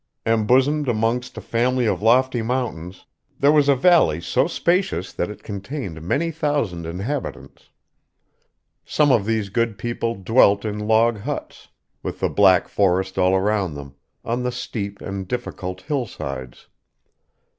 Embosomed amongst a family of lofty mountains, there was a valley so spacious that it contained many thousand inhabitants. Some of these good people dwelt in log huts, with the black forest all around them, on the steep and difficult hillsides.